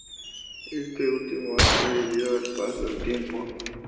Este último ha sobrevivido al paso del tiempo.